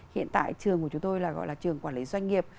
hiện tại trường của chúng tôi là gọi là trường quản lý doanh nghiệp